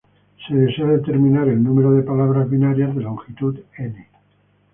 Se desea determinar el número de palabras binarias de longitud "n".